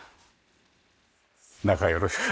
中よろしく。